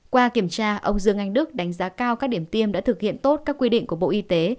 qua kiểm tra ông dương anh đức đánh giá cao các điểm tiêm đã thực hiện tốt các quy định của bộ y tế